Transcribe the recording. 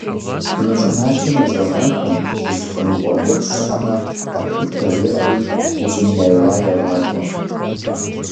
Мы щӀыналъэм езэгъахэмэ, зыхуэныкъуэ гуэр щыӀэмэ къэхутэ, - жеӀэри Узуняйла егъакӀуэ.